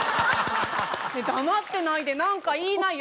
ねえ黙ってないで何か言いなよ。